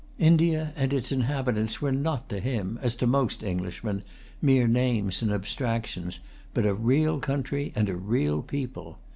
India and its inhabitants were not to him, as to most Englishmen, mere names and abstractions, but a real country and a real people.